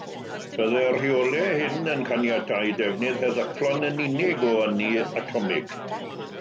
Byddai'r rheolau hyn yn caniatáu defnydd heddychlon yn unig o ynni atomig .